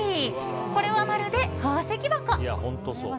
これはまるで宝石箱！